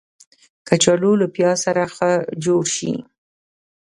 کچالو له پیاز سره ښه جوړ شي